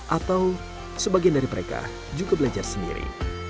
atau sebagian dari mereka juga belajar sendiri